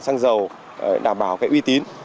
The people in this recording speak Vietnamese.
xăng dầu để đảm bảo cái uy tín